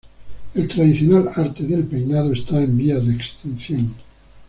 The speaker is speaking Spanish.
El tradicional arte del peinado está en vías de extinción.